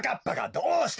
どうした？